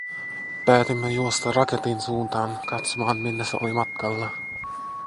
Päätimme juosta raketin suuntaan, katsomaan minne se oli matkalla.